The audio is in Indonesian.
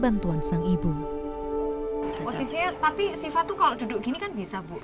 bantuan sang ibu posisinya tapi siva tuh kalau duduk gini kan bisa bu